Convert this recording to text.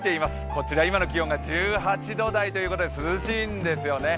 こちら、今の気温が１８度台ということで涼しいんですよね。